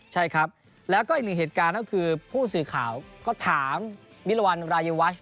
ใช่ครับแล้วก็อีกหนึ่งเหตุการณ์ก็คือผู้สื่อข่าวก็ถามมิรวรรณรายวัฒน